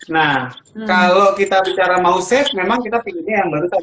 nah kalau kita bicara mau safe memang kita pilihnya yang baru saja